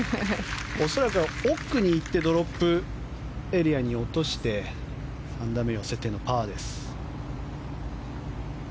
恐らくは奥にいってドロップエリアに落として３打目、寄せてのパーです。